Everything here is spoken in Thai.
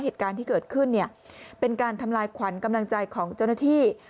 เหตุการณ์ที่เกิดขึ้นเนี่ยเป็นการทำลายขวัญกำลังใจของเจ้าหน้าที่